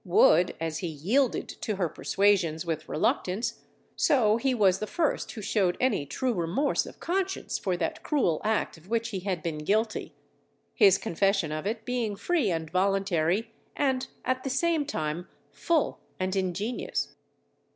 Wood, as he yielded to her persuasions with reluctance, so he was the first who showed any true remorse of conscience for that cruel act of which he had been guilty; his confession of it being free and voluntary, and at the same time full and ingenious.